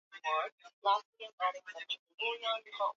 wa Mesopotamia Iraq ya leo na Waturuki